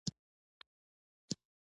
ابوزید نیوکو ته په سړه سینه غوږ ونیو.